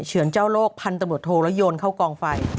เฉือนเจ้าโลกพันตำรวจโทแล้วโยนเข้ากองไฟ